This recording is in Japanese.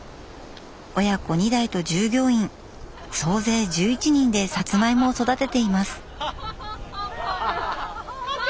親子２代と従業員総勢１１人でさつまいもを育てています。